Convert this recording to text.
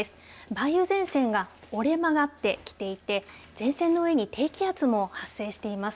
梅雨前線が折れ曲がってきていて前線の上に低気圧も発生しています。